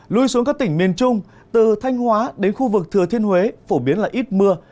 lui xuống các tỉnh miền trung từ thanh hóa đến khu vực thừa thiên huế phổ biến là ít mưa